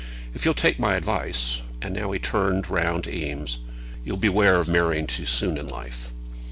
If you'll take my advice," and now he turned round to Eames, "you'll beware of marrying too soon in life."